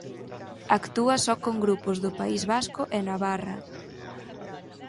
Actúa só con grupos do País Vasco e Navarra.